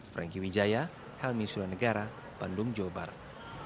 franky widjaya helmi sula negara bandung jawa barat